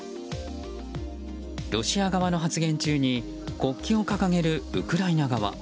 ロシア側の発言中に国旗を掲げるウクライナ側。